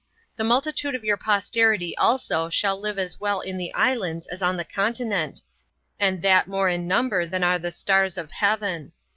The multitude of your posterity also shall live as well in the islands as on the continent, and that more in number than are the stars of heaven.